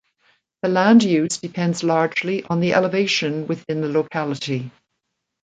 The land use depends largely on the elevation within the locality.